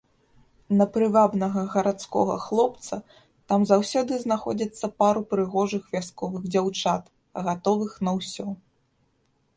На прывабнага гарадскога хлопца там заўсёды знаходзіцца пару прыгожых вясковых дзяўчат, гатовых на ўсё.